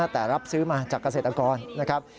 แต่รับซื้อมาจากเกษตรกรนะครับ